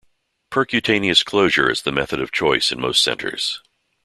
Percutaneous closure is the method of choice in most centres.